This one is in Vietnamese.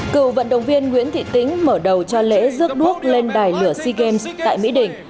cựu vận động viên nguyễn thị tĩnh mở đầu cho lễ rước đuốc lên đài lửa sea games tại mỹ đỉnh